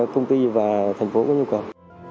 công ty và thành phố có nhu cầu